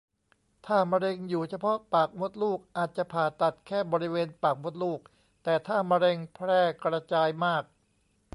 ถ้ามะเร็งอยู่เฉพาะปากมดลูกอาจจะผ่าตัดแค่บริเวณปากมดลูก แต่ถ้ามะเร็งแพร่กระจายมาก